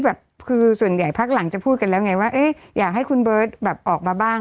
แบบคือส่วนใหญ่พักหลังจะพูดกันแล้วไงว่าเอ๊ะอยากให้คุณเบิร์ตแบบออกมาบ้าง